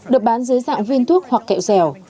được bán dưới dạng viên thuốc hoặc kẹo dẻo